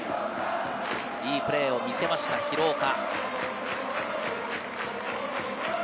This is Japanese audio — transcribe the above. いいプレーを見せました廣岡。